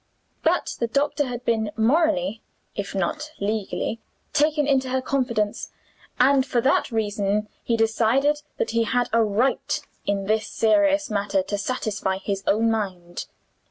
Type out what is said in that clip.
But the doctor had been morally (if not legally) taken into her confidence and, for that reason, he decided that he had a right in this serious matter to satisfy his own mind.